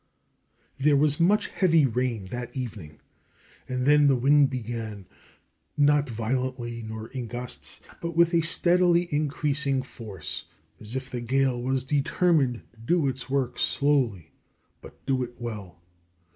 There was much heavy rain that evening, and then the wind began, not violently, nor in gusts, but with a steadily increasing force, as if the gale was determined to do its work slowly but do it well.